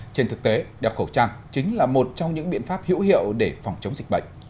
trên thực tế đeo khẩu trang chính là một trong những biện pháp hữu hiệu để phòng chống dịch bệnh